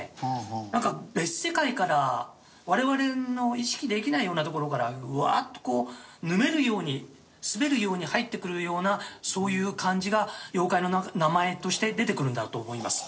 なんか別世界から我々の意識できないような所からうわーっとこうぬめるように滑るように入ってくるようなそういう感じが妖怪の名前として出てくるんだと思います。